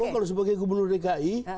kalau sebagai gubernur dki